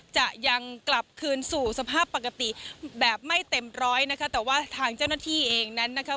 จะยังกลับคืนสู่สภาพปกติแบบไม่เต็มร้อยนะคะแต่ว่าทางเจ้าหน้าที่เองนั้นนะคะ